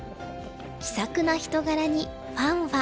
気さくな人柄にファンは。